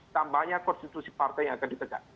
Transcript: tambahnya konstitusi partai yang akan ditegak